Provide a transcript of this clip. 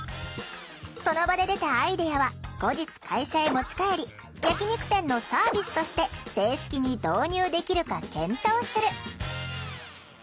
その場で出たアイデアは後日会社へ持ち帰り焼き肉店のサービスとして正式に導入できるか検討する。